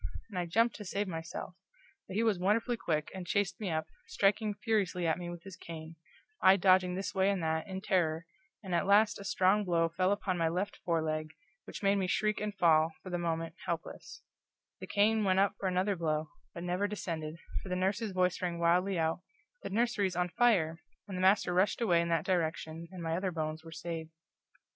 and I jumped to save myself; but he was furiously quick, and chased me up, striking furiously at me with his cane, I dodging this way and that, in terror, and at last a strong blow fell upon my left foreleg, which made me shriek and fall, for the moment, helpless; the cane went up for another blow, but never descended, for the nurse's voice rang wildly out, "The nursery's on fire!" and the master rushed away in that direction, and my other bones were saved.